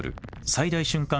最大瞬間